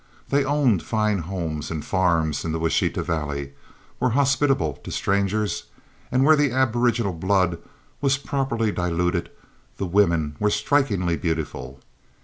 They owned fine homes and farms in the Washita valley, were hospitable to strangers, and where the aboriginal blood was properly diluted the women were strikingly beautiful.